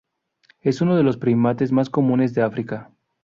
Es uno de los primates más comunes de África.